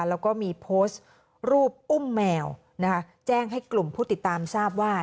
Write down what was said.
แล้วก็มีโพสต์รูปอุ้มแมวนะคะแจ้งให้กลุ่มผู้ติดตามทราบว่า